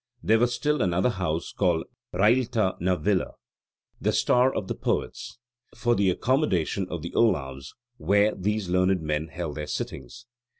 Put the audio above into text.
There was still another house called Rélta na bh filedh [Railtha na villa], the "Star of the poets," for the accommodation of the ollaves, where these learned men held their sittings.